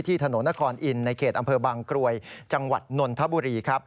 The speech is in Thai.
ที่ถนนนครอินทร์ในเขตอำเภอบางกรวยจังหวัดนนทบุรี